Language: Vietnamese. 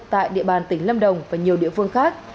tại địa bàn tỉnh lâm đồng và nhiều địa phương khác